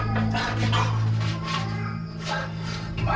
ngumpet di belakang pintu aja ya